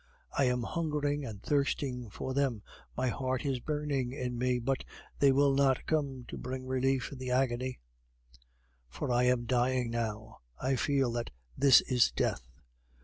I am hungering and thirsting for them, my heart is burning in me, but they will not come to bring relief in the agony, for I am dying now, I feel that this is death.